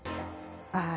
ああ